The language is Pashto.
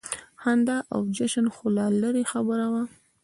خندا او جشن خو لا لرې خبره وه.